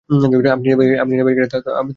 আপনি নিবেন কি না তা অবশ্য জানি না।